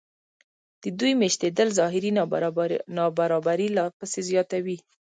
د دوی مېشتېدل ظاهري نابرابري لا پسې زیاتوي